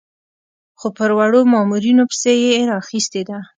خو پر وړو مامورینو پسې یې راخیستې ده.